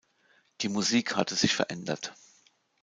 Die Musik hatte sich verändert.